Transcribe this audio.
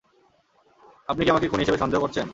আপনি কি আমাকে খুনি হিসেবে সন্দেহ করছেন?